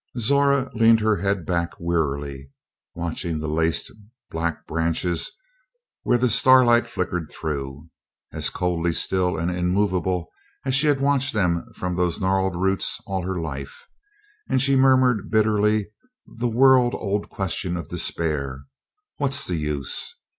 Zora leaned her head back wearily, watching the laced black branches where the star light flickered through as coldly still and immovable as she had watched them from those gnarled roots all her life and she murmured bitterly the world old question of despair: "What's the use?"